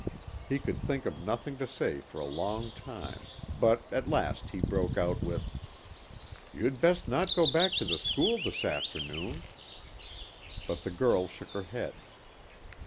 He could think of nothing to say for a long time, but at last he broke out with "You'd best not go back to the school this afternoon." But the girl shook her head.